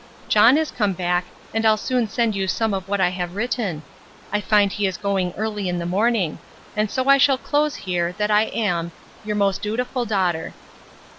—John is come back, and I'll soon send you some of what I have written.—I find he is going early in the morning; and so I'll close here, that I am Your most dutiful DAUGHTER.